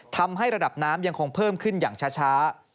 ทำให้ระดับน้ำยังคงเพิ่มขึ้นอย่างช้า